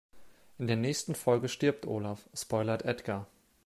In der nächsten Folge stirbt Olaf, spoilert Edgar.